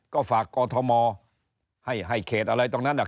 ก็ฝากกอทมให้เขตอะไรตรงนั้น